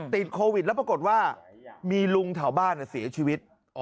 ติดโควิดแล้วปรากฏว่ามีลุงแถวบ้านเสียชีวิต